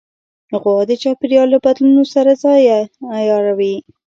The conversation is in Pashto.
غوا د چاپېریال له بدلونونو سره ځان عیاروي.